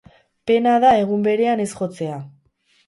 Pena da egun berean ez jotzea.